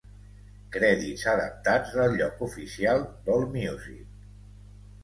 Crèdits adaptats del lloc oficial d'AllMusic.